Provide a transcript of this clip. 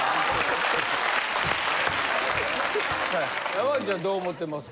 山内はどう思ってますか？